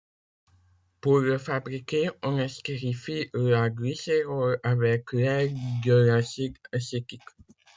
Pour le fabriquer, on estérifie la glycérol avec l'aide de l'acide acétique.